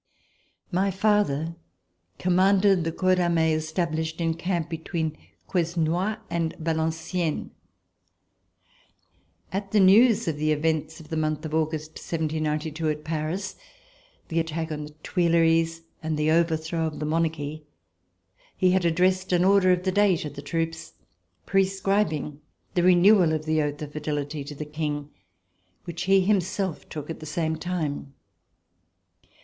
My father commanded the corps d'armee es tablished in camp between Quesnoy and Valenciennes. At the news of the events of the month of August 1792 at Paris — the attack on the Tuileries and the overthrow of the Monarchy — he had addressed an order of the day to the troops, prescribing the renewal of the oath of fidelity to the King which he himself took at the same time.